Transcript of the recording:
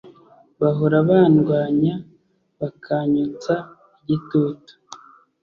bahora bandwanya, bakanyotsa igitutu